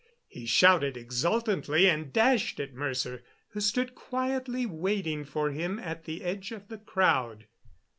He shouted exultantly and dashed at Mercer, who stood quietly waiting for him at the edge of the crowd.